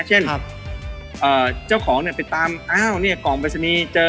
เช่นเจ้าของไปตามกล่องบริษัทมีอยู่ให้เจอ